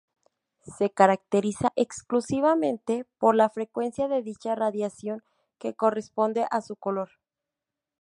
Se caracteriza exclusivamente por la frecuencia de dicha radiación que corresponde a su color.